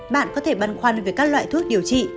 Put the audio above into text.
bạn có thể băn khoăn về các loại thuốc điều trị